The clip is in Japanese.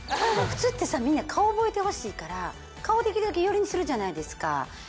普通ってさみんな顔覚えてほしいから顔できるだけ寄りにするじゃないですか。